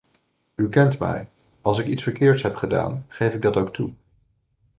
U kent mij: als ik iets verkeerds heb gedaan, geef ik dat ook toe.